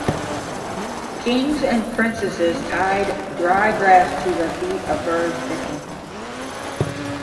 Kings and princes tied dry grass to the feet of birds and animals.